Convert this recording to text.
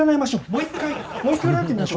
もう一回もう一回占ってみましょう。